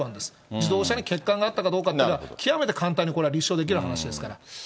自動車に欠陥があったかどうかっていうのは、極めて簡単にこれは立証できる話ですから。